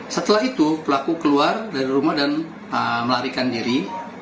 setelah itu pelaku keluar dari rumah dan melarikan diri